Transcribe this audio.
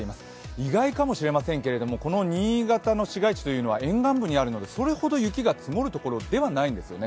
意外かもしれませんが新潟の市街地というのは沿岸部にあるのでそれほど雪が積もる所ではないんですね。